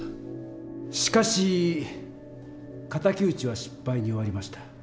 しかし敵討ちは失敗に終わりました。